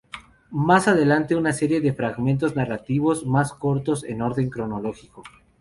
Mas adelante siguen una serie de fragmentos narrativos más cortos en orden cronológico.